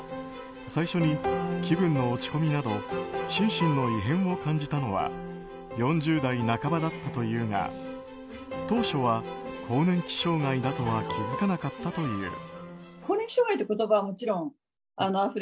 最初に気分の落ち込みなど心身の異変を感じたのは４０代半ばだったというが当初は、更年期障害だとは気づかなかったという。